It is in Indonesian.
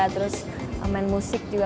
terus main musik juga